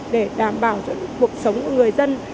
để đảm bảo cho cuộc sống của người dân